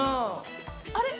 あれ？